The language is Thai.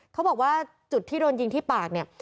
เขาบอกว่าจุดที่โดนยิงที่ปากเนี่ย